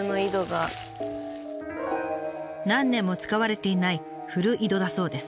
何年も使われていない古井戸だそうです。